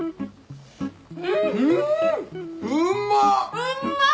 うんまっ！